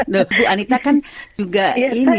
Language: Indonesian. dokter bu anita kan juga ini